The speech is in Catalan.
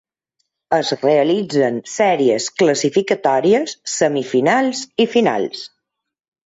Es realitzen sèries classificatòries, semifinals i finals.